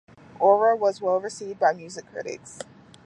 "Aura" was well received by music critics.